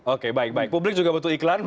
oke baik baik publik juga butuh iklan